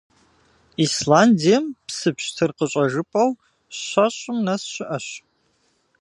Исландием псы пщтыр къыщӀэжыпӀэу щэщӏым нэс щыӀэщ.